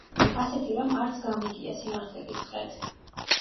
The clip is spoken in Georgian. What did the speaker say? ასეთი რამ არც გამიგია, სიმართლე გითხრათ.